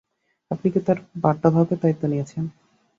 আপনি কি তার বার্তাবাহকের দায়িত্ব নিয়েছেন?